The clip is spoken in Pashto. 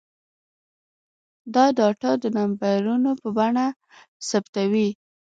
دا ډاټا د نمبرونو په بڼه ثبتوي.